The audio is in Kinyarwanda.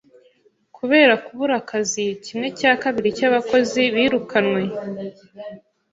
Kubera kubura akazi, kimwe cya kabiri cyabakozi birukanwe.